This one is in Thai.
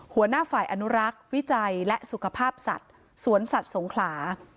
หัวหน้าฝ่ายอนุรักษ์วิจัยและสุขภาพสัตว์สวนสัตว์สงขลา